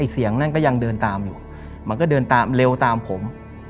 เสียงนั่นก็ยังเดินตามอยู่มันก็เดินตามเร็วตามผม